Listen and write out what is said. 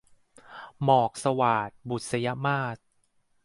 หมอกสวาท - บุษยมาส